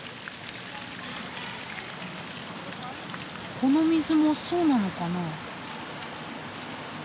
この水もそうなのかな。